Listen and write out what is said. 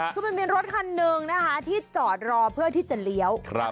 คือมันมีรถคันหนึ่งนะคะที่จอดรอเพื่อที่จะเลี้ยว